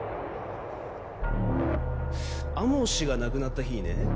天羽氏が亡くなった日にね